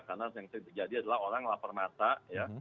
karena yang terjadi adalah orang lapar mata ya